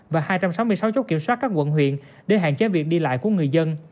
và hai trăm sáu mươi sáu chốt kiểm soát các quận huyện để hạn chế việc đi lại của người dân